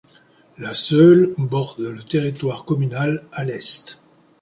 La Seulles borde le territoire communal à l'est.